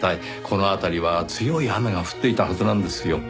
この辺りは強い雨が降っていたはずなんですよ。